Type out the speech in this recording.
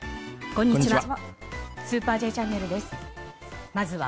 こんにちは。